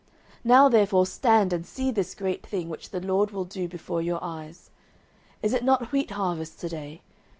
09:012:016 Now therefore stand and see this great thing, which the LORD will do before your eyes. 09:012:017 Is it not wheat harvest to day?